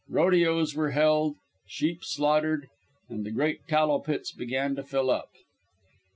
Rodeos were held, sheep slaughtered, and the great tallow pits began to fill up.